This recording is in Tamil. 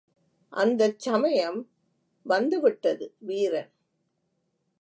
அந்தச் சமயம் வந்துவிட்டது வீரன்.